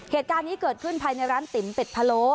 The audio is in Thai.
เหตุการณ์นี้เกิดขึ้นภายในร้านติ๋มเป็ดพะโล